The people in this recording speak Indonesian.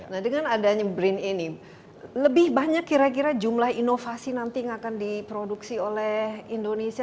nah dengan adanya brin ini lebih banyak kira kira jumlah inovasi nanti yang akan diproduksi oleh indonesia